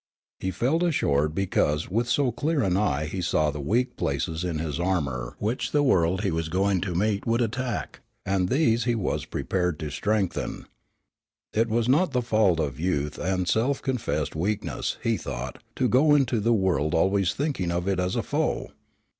He felt assured because with so clear an eye he saw the weak places in his armor which the world he was going to meet would attack, and these he was prepared to strengthen. Was it not the fault of youth and self confessed weakness, he thought, to go into the world always thinking of it as a foe?